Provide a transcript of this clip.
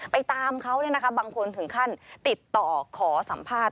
ตามเขาบางคนถึงขั้นติดต่อขอสัมภาษณ์